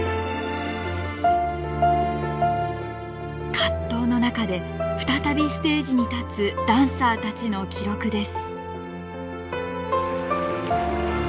葛藤の中で再びステージに立つダンサーたちの記録です。